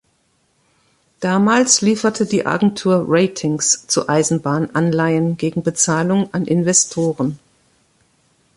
Damals lieferte die Agentur Ratings zu Eisenbahn-Anleihen gegen Bezahlung an Investoren.